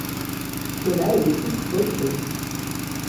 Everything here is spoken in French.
Cela est de toute fausseté.